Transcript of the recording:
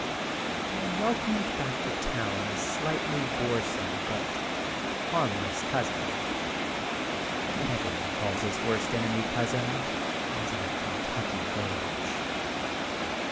I am welcomed back to town a slightly boresome bnt harmless consin. Bnt everyone calls his worst enemy cousin, as in a Kentucky village.